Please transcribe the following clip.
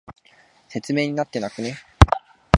説明になってなくね？